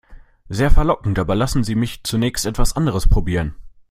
Sehr verlockend, aber lassen Sie mich zunächst etwas anderes probieren.